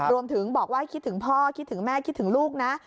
รวมถึงบอกว่าให้คิดถึงพ่อคิดถึงแม่คิดถึงลูกนะ